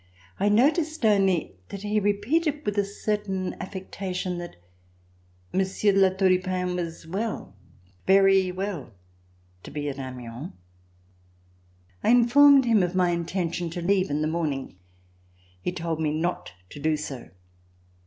I noticed only that he repeated with a certain affectation that Monsieur de La Tour du Pin was "well, very well" to be at Amiens. I informed him of my intention to leave in the morning. He told me not to do so.